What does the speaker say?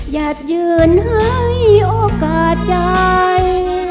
อยากยืนให้โอกาสใจ